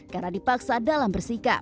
karena dipaksa dalam bersikap